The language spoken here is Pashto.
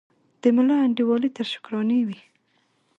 د ملا انډیوالي تر شکرانې وي